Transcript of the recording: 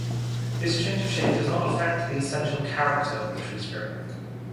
This change of shape does not affect the essential character of the tree-spirit.